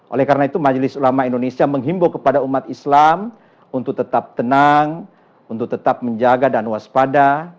oleh karena itu majelis ulama indonesia menghimbau kepada umat islam untuk tetap tenang untuk tetap menjaga dan waspada